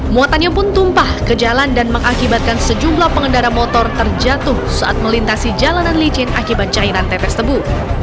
muatannya pun tumpah ke jalan dan mengakibatkan sejumlah pengendara motor terjatuh saat melintasi jalanan licin akibat cairan tepes tebu